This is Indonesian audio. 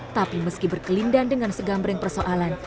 tapi meski berkelindan dengan segambring persoalan